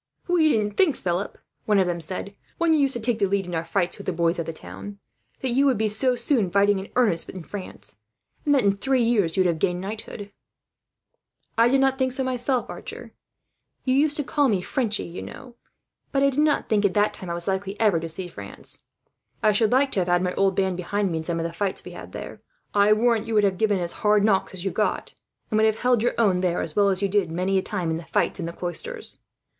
"We didn't think, Philip," one of them said, "when you used to take the lead in our fights with the boys of the town, that you would be so soon fighting in earnest, in France; and that in three years you would have gained knighthood." "I did not think so myself, Archer. You used to call me Frenchie, you know; but I did not think, at the time, that I was likely ever to see France. I should like to have had my old band behind me, in some of the fights we had there. I warrant you would have given as hard knocks as you got, and would have held your own there, as well as you did many a time in the fights in the Cloisters.